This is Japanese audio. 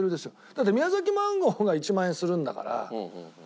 だって宮崎マンゴーが１万円するんだから基本的に。